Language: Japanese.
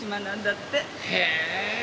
へえ。